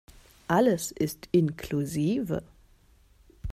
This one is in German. Alles ist inklusive.